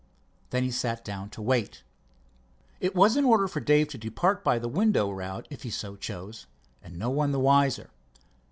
Then he sat down to wait. It was in order for Dave to depart by the window route if he so chose, and no one the wiser.